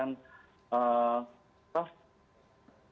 atau melalui pemilihan